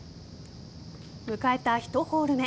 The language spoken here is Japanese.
迎えた１ホール目。